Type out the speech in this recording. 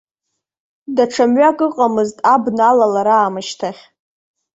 Даҽа мҩак ыҟамызт, абна алалара аамышьҭахь.